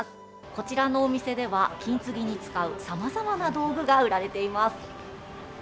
こちらのお店では、金継ぎに使うさまざまな道具が売られています。